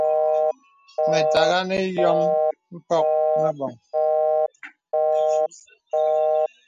Mə̀tàghā nə yɔ̄m mpɔ̄k meboŋ.